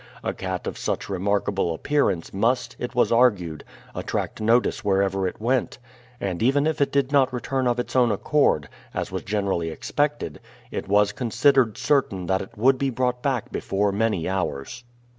A cat of such remarkable appearance must, it was argued, attract notice wherever it went; and even if it did not return of its own accord, as was generally expected, it was considered certain that it would be brought back before many hours.